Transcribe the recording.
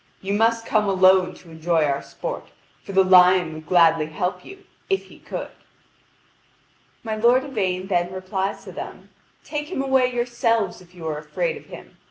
You must come alone to enjoy our sport, for the lion would gladly help you, if he could." My lord Yvain then replies to them: "Take him away yourselves if you are afraid of him.